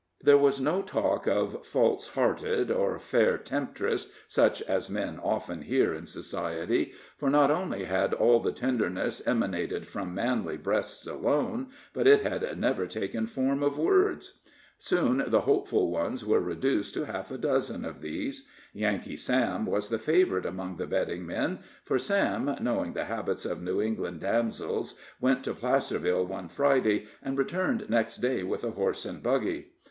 There was no talk of "false hearted" or "fair temptress," such as men often hear in society; for not only had all the tenderness emanated from manly breasts alone, but it had never taken form of words. Soon the hopeful ones were reduced to half a dozen of these. Yankee Sam was the favorite among the betting men, for Sam, knowing the habits of New England damsels, went to Placerville one Friday, and returned next day with a horse and buggy.